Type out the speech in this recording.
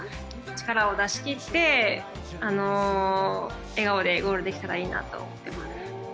力を出しきって、笑顔でゴールできたらいいなと思います。